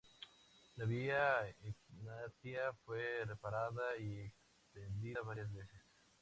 La Vía Egnatia fue reparada y extendida varias veces.